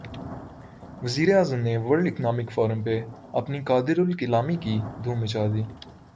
وزیر اعظم نے ورلڈ اکنامک فورم پہ اپنی قادرالکلامی کی دھوم مچا دی۔